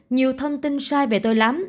nhiều thông tin sai về tôi lắm